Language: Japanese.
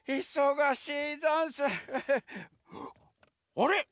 あれ？